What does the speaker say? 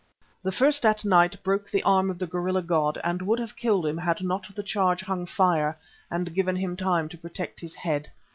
The first at night broke the arm of the gorilla god and would have killed him had not the charge hung fire and given him time to protect his head.